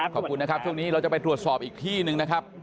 ขอบคุณนะครับช่วงนี้เราจะไปตรวจสอบอีกที่หนึ่งนะครับ